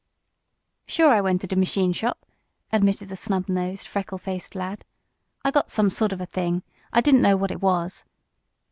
"Sure, I went to de machine shop," admitted the snub nosed, freckled faced lad. "I got some sort of a thing. I didn't know what it was."